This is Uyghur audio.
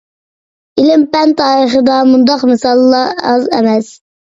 ئىلىم-پەن تارىخىدا مۇنداق مىساللار ئاز ئەمەس.